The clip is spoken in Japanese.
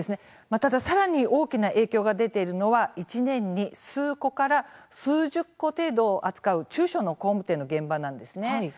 ただ、さらに大きな影響が出ているのは１年に数戸から数十戸程度を扱う中小の工務店の現場なんですね。